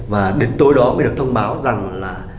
và đến tối đó mới được thông báo rằng là